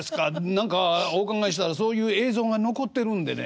何かお伺いしたらそういう映像が残ってるんでね